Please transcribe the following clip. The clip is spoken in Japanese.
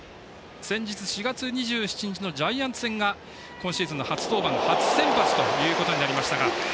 先日、４月２７日のジャイアンツ戦が今シーズンの初登板初先発ということになりましたが。